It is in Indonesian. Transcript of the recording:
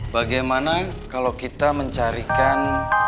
bagaimana kalo kita mencarikan